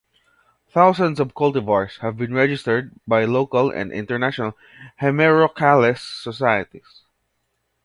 Thousands of cultivars have been registered by local and international "Hemerocallis" societies.